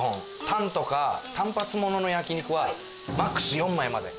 タンとか単発ものの焼肉はＭＡＸ４枚まで。